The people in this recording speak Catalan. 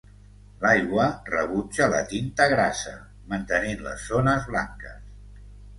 L'aigua rebutja la tinta grassa, mantenint les zones blanques.